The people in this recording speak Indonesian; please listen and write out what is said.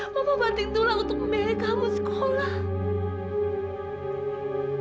mama batin tulang untuk membayar kamu sekolah